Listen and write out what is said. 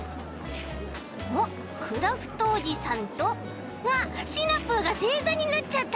おっクラフトおじさんとわっシナプーがせいざになっちゃった。